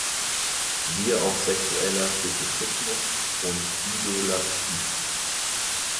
Siehe auch Sexueller Fetischismus und Idolatrie.